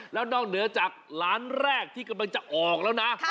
แล้วนอกเหนือจากร้านแรกที่กำลังจะออกแล้วนะ